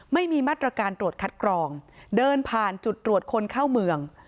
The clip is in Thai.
ไม่มีมาตรการตรวจคัดกรองเดินผ่านจุดตรวจคนเข้าเมือง